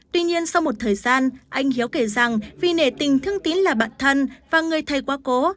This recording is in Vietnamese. tuy nhiên sau một thời gian anh hiếu kể rằng vì nể tình thương tín là bạn thân và người thầy quá cố